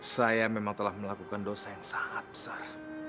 saya memang telah melakukan dosa yang sangat besar